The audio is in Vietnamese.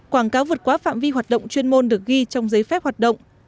quảng cáo vượt quá phạm vi hoạt động chuyên môn được ghi trong giấy phép hoạt động